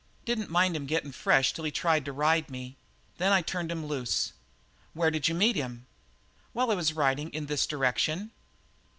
Didn't mind him getting fresh till he tried to ride me. Then I turned him loose. Where did you meet him?" "While I was riding in this direction."